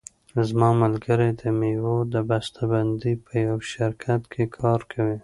زما ملګری د مېوو د بسته بندۍ په یوه شرکت کې کار کوي.